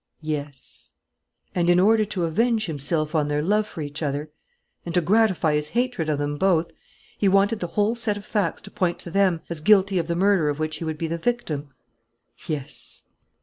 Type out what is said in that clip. "Yes." "And, in order to avenge himself on their love for each other and to gratify his hatred of them both, he wanted the whole set of facts to point to them as guilty of the murder of which he would be the victim?" "Yes."